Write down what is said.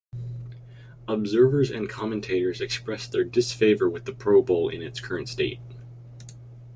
Observers and commentators expressed their disfavor with the Pro Bowl in its current state.